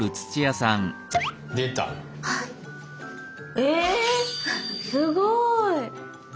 えすごい！